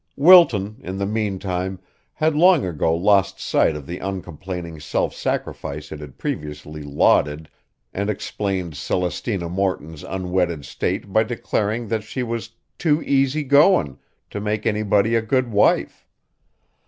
Wilton, in the meantime, had long ago lost sight of the uncomplaining self sacrifice it had previously lauded and explained Celestina Morton's unwedded state by declaring that she was too "easy goin'" to make anybody a good wife.